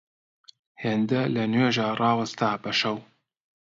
هێندە لە نوێژا ڕاوەستا بە شەو